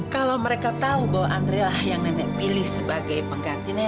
kalau mereka tahu bahwa andre lah yang nenek pilih sebagai penggantinya